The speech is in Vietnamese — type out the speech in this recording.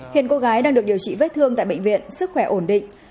hiện cô gái đang được điều trị vết thương tại bệnh viện sức khỏe ổn định